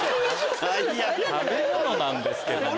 食べ物なんですけどね。